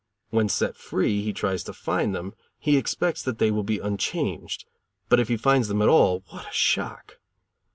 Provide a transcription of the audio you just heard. When, set free, he tries to find them, he expects that they will be unchanged, but if he finds them at all, what a shock!